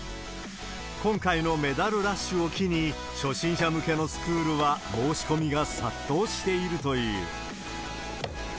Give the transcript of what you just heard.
今回のメダルラッシュを機に、初心者向けのスクールは申し込みが殺到しているという。